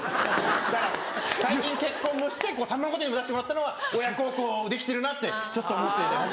だから最近結婚もして『さんま御殿‼』にも出してもらったのは親孝行できてるなってちょっと思っていて。